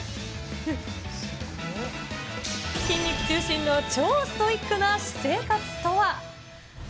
筋肉中心の超ストイックな私生活とは。